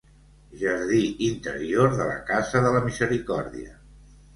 Jardí interior de la Casa de la Misericòrdia.